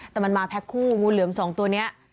แต่มันมาแพ็คคู่งูเหลือมสองตัวนี้